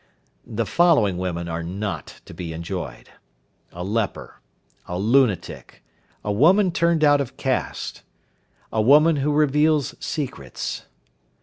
The following women are not to be enjoyed: A leper. A lunatic. A woman turned out of caste. A woman who reveals secrets.